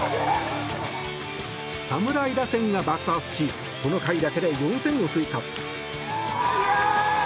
侍打線が爆発しこの回だけで４点を追加。